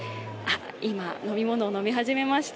今、飲み物を飲み始めました。